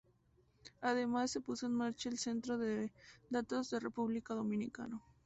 Además, se puso en marcha el centro de datos de República Dominicana.